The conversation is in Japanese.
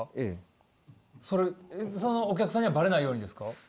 それそのお客さんにはバレないようにですか？